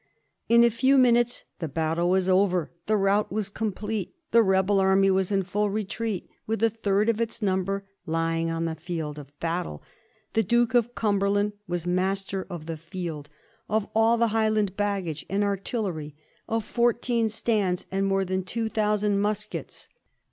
In a few minutes the battle was over, the rout was complete; the rebel army was in full retreat, with a third of its number lying on the field of battle ; the Duke of Cumberland was master of the field, of all the Highland baggage and ar tillery, of fourteen stands, and more than two thousand muskets.